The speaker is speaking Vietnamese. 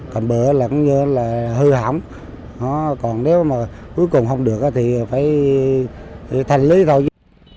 cầm bờ là hư hỏng còn nếu mà cuối cùng không được thì phải thanh lý tàu